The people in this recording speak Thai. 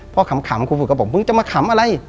พอขำครูฝึกก็บอกมึงจะมาขำอะไร